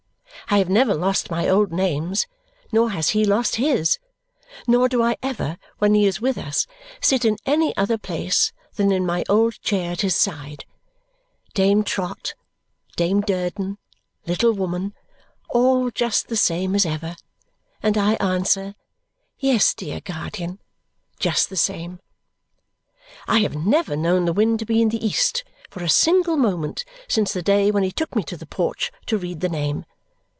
I have never lost my old names, nor has he lost his; nor do I ever, when he is with us, sit in any other place than in my old chair at his side, Dame Trot, Dame Durden, Little Woman all just the same as ever; and I answer, "Yes, dear guardian!" just the same. I have never known the wind to be in the east for a single moment since the day when he took me to the porch to read the name.